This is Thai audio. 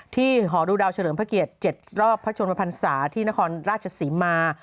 ที่หอดูดาวเฉลิมพระเกียรติ๗รอบพระชมพันธุ์ศาสตร์ที่นครราชสีมา